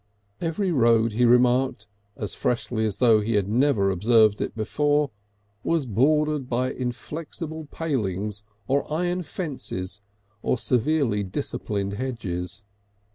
Every road he remarked, as freshly as though he had never observed it before, was bordered by inflexible palings or iron fences or severely disciplined hedges.